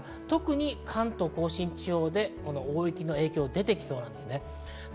特に関東・甲信地方で大雪の影響が出てきそうです。